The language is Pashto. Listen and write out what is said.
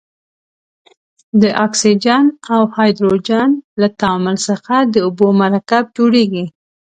د اکسیجن او هایدروجن له تعامل څخه د اوبو مرکب جوړیږي.